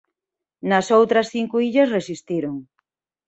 Nas outras cinco illas resistiron.